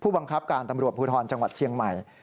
บังคับการตำรวจภูทรจังหวัดเชียงใหม่